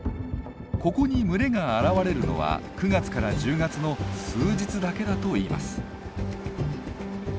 ここに群れが現れるのは９月から１０月の数日だけだといいます。